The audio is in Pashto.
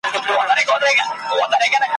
خدای چي په قارسي و یوه قام ته `